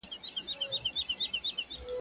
اورنګ زېب ویل پر ما یو نصیحت دی.